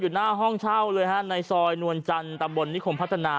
หน้าห้องเช่าเลยฮะในซอยนวลจันทร์ตำบลนิคมพัฒนา